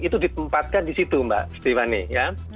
itu ditempatkan di situ mbak stefany ya